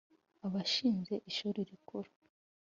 abashinze ishuri rikuru